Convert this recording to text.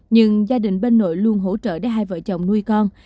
nhưng gia đình bên nội luôn hỗ trợ để hai vợ chồng nuôi con